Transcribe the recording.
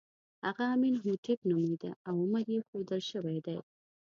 هغه امین هوټېپ نومېده او عمر یې ښودل شوی دی.